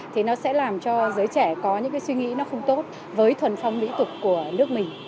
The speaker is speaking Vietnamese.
thì nó sẽ làm cho giới trẻ có những cái suy nghĩ nó không tốt với thuần phong mỹ tục của nước mình